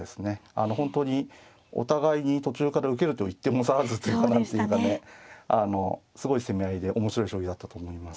あの本当にお互いに途中から受ける手を一手も指さずというか何というかねあのすごい攻め合いで面白い将棋だったと思います。